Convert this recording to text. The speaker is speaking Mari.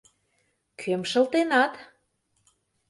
Кӧм шылтенат?